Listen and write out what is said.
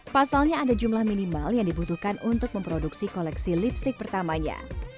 pasalnya ada jumlah minimal yang dibutuhkan untuk memproduksi koleksi lipstick pertamanya